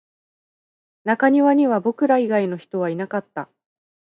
中庭には僕ら以外の人はいなかった